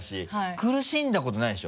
苦しんだことないでしょ？